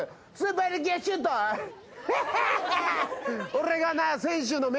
俺がな。